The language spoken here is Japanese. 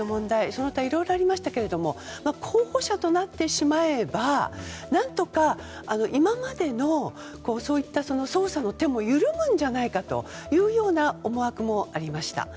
その他いろいろありましたけども候補者となってしまえば何とか今までのそういった捜査の手も緩むんじゃないかというような思惑もありました。